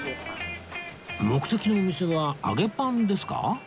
目的のお店はあげパンですか？